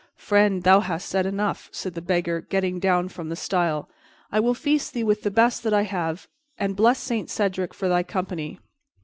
"Friend, thou hast said enough," said the Beggar, getting down from the stile. "I will feast thee with the best that I have and bless Saint Cedric for thy company.